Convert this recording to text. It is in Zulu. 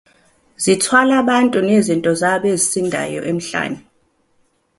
Zithwala abantu nezinto zabo ezisindayo emhlane.